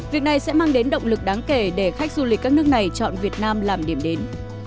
việc này sẽ mang đến động lực đáng kể để khách du lịch các nước này chọn việt nam làm điểm đến